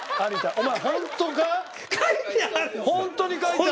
お前。